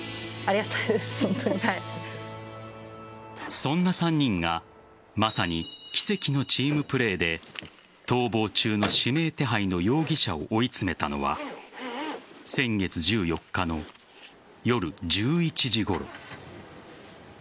そんな３人がまさに奇跡のチームプレーで逃亡中の指名手配の容疑者を追い詰めたのは先月１４日の夜１１時ごろ。